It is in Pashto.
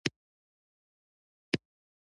هېواد د شریکتیا سمبول دی.